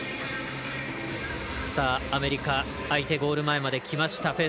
さあ、アメリカ相手ゴール前まできました。